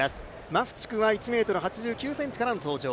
マフチクは１ｍ８９ｃｍからの登場。